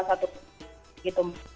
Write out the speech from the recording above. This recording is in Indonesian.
itu mungkin sudah cukup